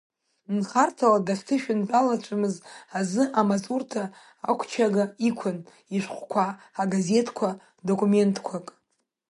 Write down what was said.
Нхарҭала дахьҭышәынтәалацәамыз азы, амаҵурҭа ақәчага иқәын ишәҟәқәа, агазеҭқәа, документқәак.